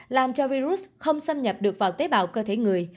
làm cho virus không xâm nhập được vào tế bào cơ thể người